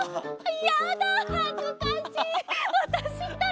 やだはずかしい！